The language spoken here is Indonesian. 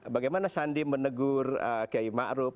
bagaimana sandi menegur kiai ma'ruf